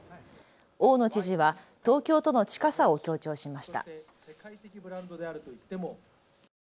大野知事は東京との近さを強調しました。